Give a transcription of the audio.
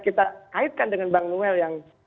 kita kaitkan dengan bang noel yang